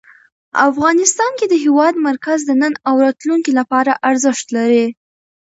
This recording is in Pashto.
افغانستان کې د هېواد مرکز د نن او راتلونکي لپاره ارزښت لري.